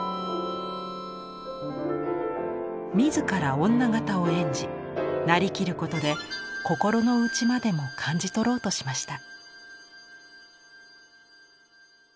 自ら女形を演じなりきることで心の内までも感じ取ろうとしました。